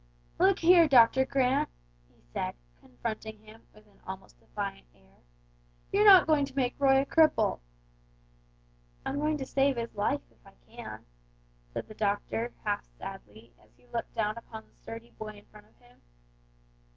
"Look here, Doctor Grant," he said, confronting him with an almost defiant air: "you're not going to make Roy a cripple!" "I'm going to save his life, if I can," said the doctor, half sadly, as he looked down upon the sturdy boy in front of him.